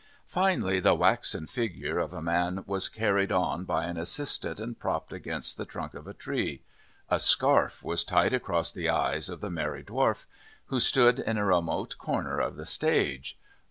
Finally, the waxen figure of a man was carried on by an assistant and propped against the trunk of a tree. A scarf was tied across the eyes of the Merry Dwarf, who stood in a remote corner of the stage.